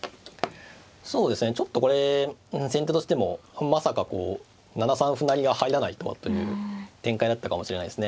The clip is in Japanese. そうですねちょっとこれ先手としてもまさかこう７三歩成が入らないとはという展開だったかもしれないですね。